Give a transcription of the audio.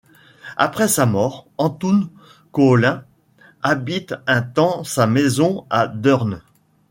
Après sa mort, Antoon Coolen habite un temps sa maison à Deurne.